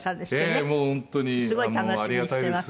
ええもう本当にありがたいです。